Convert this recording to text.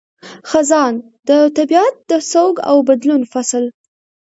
خزان – د طبیعت د سوګ او بدلون فصل